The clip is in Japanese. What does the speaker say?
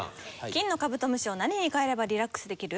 金のカブトムシを何に変えればリラックスできる？